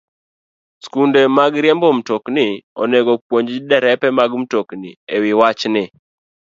Skunde mag riembo mtokni onego opuonj derepe mag mtokni e wi wachni.